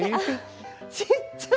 ちっちゃい！